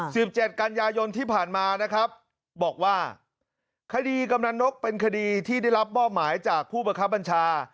สิบเจ็ดกันยายนที่ผ่านมานะครับบอกว่าคดีกำนันนกเป็นคดีที่ได้รับมอบหมายจากผู้บังคับบัญชา